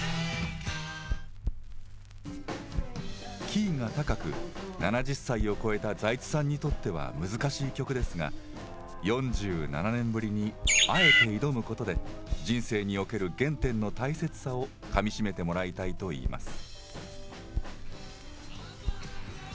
キーが高く、７０歳を超えた財津さんにとっては難しい曲ですが、４７年ぶりにあえて挑むことで、人生における原点の大切さをかみしめてもらいたいといいます。